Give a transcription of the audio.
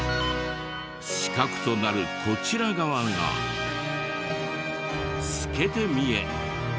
死角となるこちら側が透けて見え。